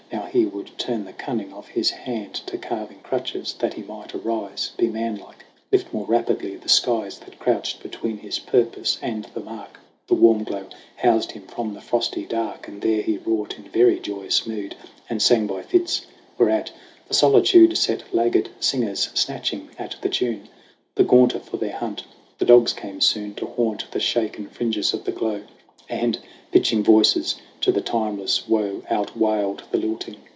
Now he would turn the cunning of his hand To carving crutches, that he might arise, Be manlike, lift more rapidly the skies That crouched between his purpose and the mark. The warm glow housed him from the frosty dark, And there he wrought in very joyous mood And sang by fits whereat the solitude Set laggard singers snatching at the tune. The gaunter for their hunt, the dogs came soon To haunt the shaken fringes of the glow, And, pitching voices to the timeless woe, Outwailed the lilting.